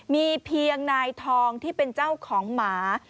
มีเพียงนายทองที่เป็นเจ้าของหมา